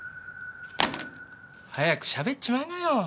早くしゃべっちまいなよ